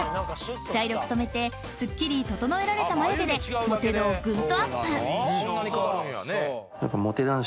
茶色く染めてすっきり整えられた眉毛でモテ度をグンとアップ！